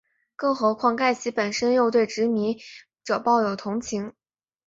更何况盖奇本身又对殖民者抱有同情。